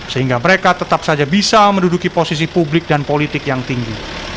sehingga mereka tetap saja bisa menduduki posisi publik dan politik yang tinggi